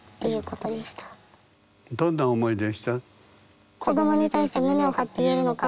どんな思いでした？